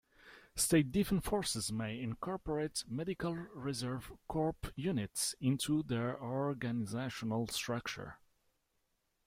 State defense forces may incorporate Medical Reserve Corps units into their organizational structure.